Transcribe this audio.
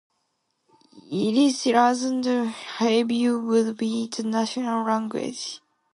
Yiddish, rather than Hebrew, would be the national language.